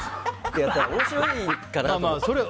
面白いかなと思って。